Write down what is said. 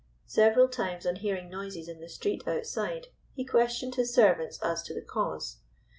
Several times on hearing noises in the street outside he questioned his servants as to the cause.